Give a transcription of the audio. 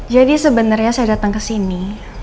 jadi sebenernya saya datang kesini